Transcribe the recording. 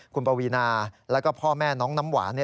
คุณปวีนาแล้วก็พ่อแม่น้องน้ำหวาน